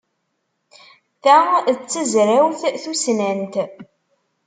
Ta d tazrawt tussnant.